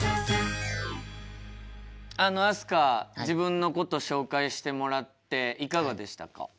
自分のこと紹介してもらっていかがでしたか？